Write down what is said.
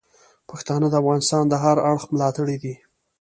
پښتانه د افغانستان د هر اړخ ملاتړي دي.